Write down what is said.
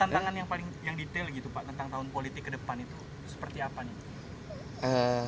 tantangan yang paling yang detail gitu pak tentang tahun politik ke depan itu seperti apa nih